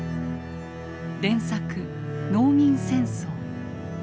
連作「農民戦争」。